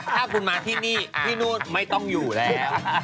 ถ้าคุณมาที่นี่ที่นู่นไม่ต้องอยู่แล้ว